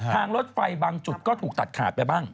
รถไฟบางจุดก็ถูกตัดขาดไปบ้าง